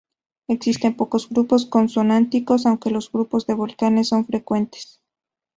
Existen pocos grupos consonánticos, aunque los grupos de vocales son frecuentes.